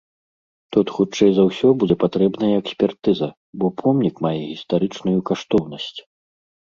Тут хутчэй за ўсё будзе патрэбная экспертыза, бо помнік мае гістарычную каштоўнасць.